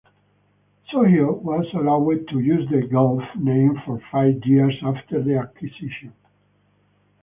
Sohio was allowed to use the "Gulf" name for five years after the acquisition.